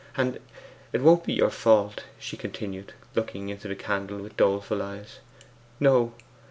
'And it won't be your fault,' she continued, looking into the candle with doleful eyes. 'No!